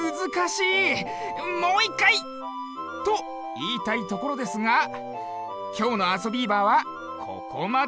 もういっかい！といいたいところですがきょうの「あそビーバー」はここまで。